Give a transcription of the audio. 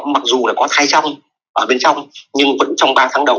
mặc dù là có thai trong ở bên trong nhưng vẫn trong ba tháng đầu